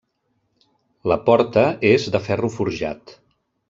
La porta és de ferro forjat.